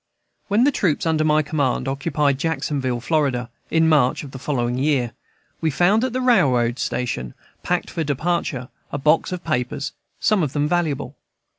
When the troops under my command occupied Jacksonville, Fla., in March of the following year, we found at the railroad station, packed for departure, a box of papers, some of them valuable.